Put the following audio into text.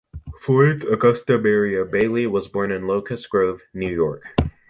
Florence Augusta Merriam Bailey was born in Locust Grove, New York.